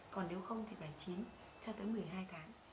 còn nếu không thì phải chín cho tới một mươi hai tháng